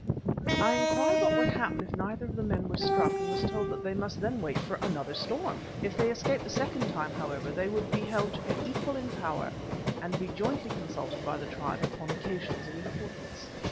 I inquired what would happen if neither of the men were struck, and was told that they must then wait for another storm. If they escaped the second time, however, they would be held to be equal in power, and be jointly consulted by the tribe upon occasions of importance.